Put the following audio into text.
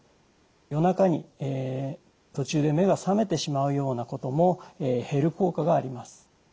夜中に途中で目が覚めてしまうようなことも減る効果があります。